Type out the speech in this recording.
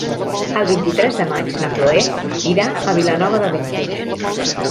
El vint-i-tres de maig na Cloè irà a Vilanova de Bellpuig.